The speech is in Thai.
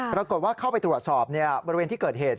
ปรากฏว่าเข้าไปตรวจสอบบริเวณที่เกิดเหตุ